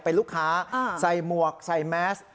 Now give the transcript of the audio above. เป็นลูกค้าเออใส่หมวกใส่แม็กซ์